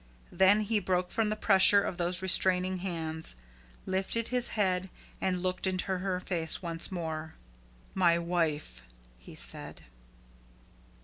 Then he broke from the pressure of those restraining hands; lifted his head, and looked into her face once more. "My wife!" he said.